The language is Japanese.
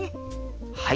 はい。